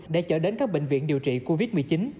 để chở đến các bệnh viện điều trị covid một mươi chín